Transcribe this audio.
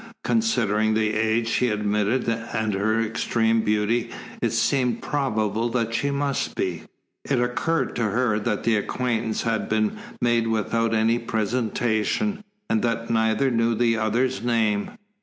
Considering the age she admitted and her extreme beauty it seemed probable that she must be. It occurred to her that the acquaintance had been made without any presentation, and that neither knew the other's name.